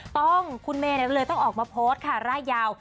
ต้องคุณเมย์เลยต้องออกมาโพสต์ค่ะร่ายยาว